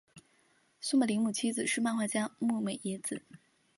松本零士妻子是漫画家牧美也子。